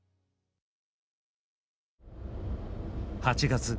８月。